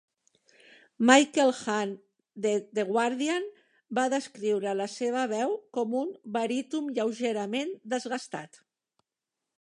Michael Hann de "The Guardian" va descriure la seva veu com un "baríton lleugerament desgastat".